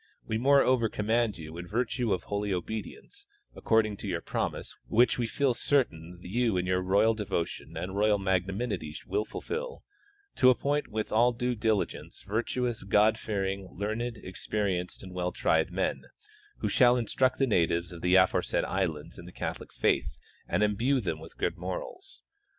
We moreover command you in virtue of holy ol>edience (according to your promise, which we feel certain you in your great devotion and royal magna nimity will fulfill) to appoint, with all due diligence, virtuous, God fearing, learned, experienced and well tried men, who shall instruct the natives of the aforesaid islands in the Catholic faith and imbue them with good morals.